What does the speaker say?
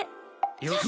よし。